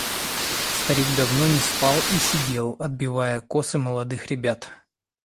Старик давно не спал и сидел, отбивая косы молодых ребят.